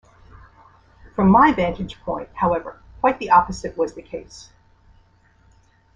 From my vantage point, however, quite the opposite was the case.